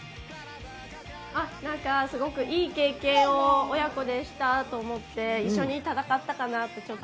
何かすごくいい経験を親子で、したと思って一緒に戦ったかなと。